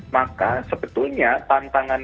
maka sebetulnya tantangan